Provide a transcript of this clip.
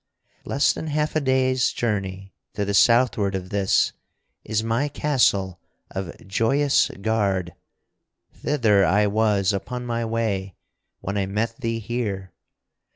Less than half a day's journey to the southward of this is my castle of Joyous Gard. Thither I was upon my way when I met thee here.